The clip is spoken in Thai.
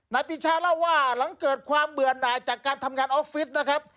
ปีชาเล่าว่าหลังเกิดความเบื่อหน่ายจากการทำงานออฟฟิศนะครับ